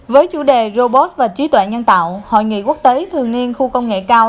với chủ đề robot và trí tuệ nhân tạo hội nghị quốc tế thường niên khu công nghệ cao